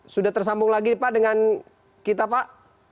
sudah tersambung lagi pak dengan kita pak